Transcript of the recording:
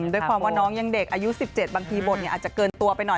ด้วยความว่าน้องยังเด็กอายุ๑๗บางทีบทอาจจะเกินตัวไปหน่อย